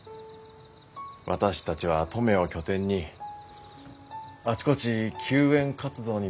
私たちは登米を拠点にあちこち救援活動に出向いてました。